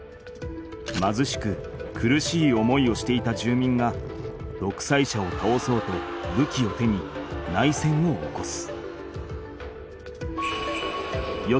まずしく苦しい思いをしていた住民がどくさい者をたおそうとぶきを手に内戦を起こす。